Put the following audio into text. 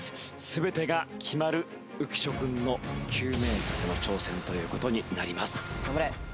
全てが決まる浮所君の９メートルの挑戦という事になります。